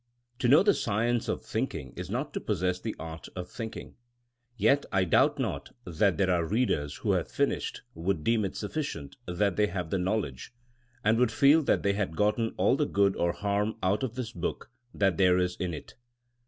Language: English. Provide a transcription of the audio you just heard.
To know the science of thinking is not to pos sess the art of thinking. Yet I doubt not that there are readers who having finished, would deem it suflScient that they had the knowledge, and would feel they had gotten all the good or harm out of this book that there is in it.